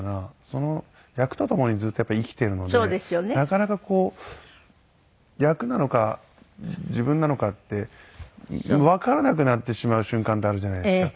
その役と共にずっと生きてるのでなかなかこう役なのか自分なのかってわからなくなってしまう瞬間ってあるじゃないですか。